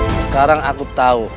sekarang aku tahu